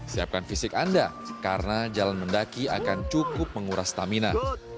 siapkan fisik anda karena jalan mendaki akan cukup menguras stamina